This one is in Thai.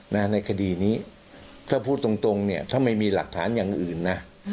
ในคดีนี้ถ้าพูดตรงเนี่ยถ้าไม่มีหลักฐานอย่างอื่นนะ